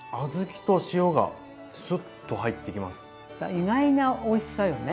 意外なおいしさよね